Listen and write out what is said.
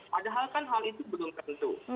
padahal kan hal itu belum tentu